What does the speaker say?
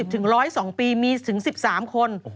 ถึง๑๐๒ปีมีถึง๑๓คน